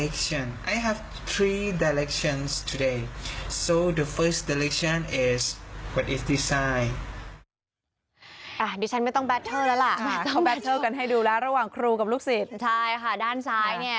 ใช่ค่ะด้านซ้าย